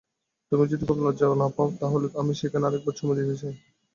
তুমি যদি খুব লজ্জা না পাও তাহলে আমি সেখানে আরেকবার চুমু দিতে চাই।